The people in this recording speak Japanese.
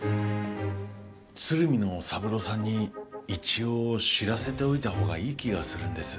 鶴見の三郎さんに一応知らせておいた方がいい気がするんです。